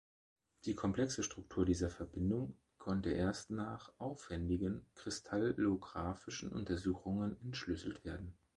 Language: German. Die komplexe Struktur dieser Verbindung konnte erst nach aufwendigen kristallographischen Untersuchungen entschlüsselt werden.